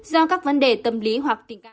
do các vấn đề tâm lý hoặc tình cảm